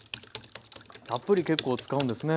たっぷり結構使うんですね。